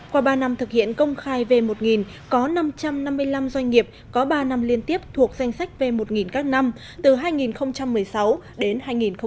qua ba năm thực hiện công khai v một nghìn có năm trăm năm mươi năm doanh nghiệp có ba năm liên tiếp thuộc danh sách v một nghìn các năm từ hai nghìn một mươi sáu đến hai nghìn một mươi tám